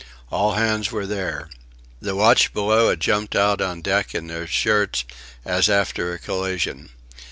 All hands were there. The watch below had jumped out on deck in their shirts, as after a collision.